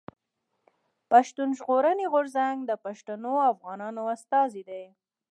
پښتون ژغورني غورځنګ د پښتنو افغانانو استازی دی.